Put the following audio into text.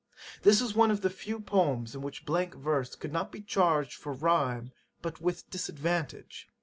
This is one of the few poems in which blank verse could not be changed for rhime but with disadvantage.'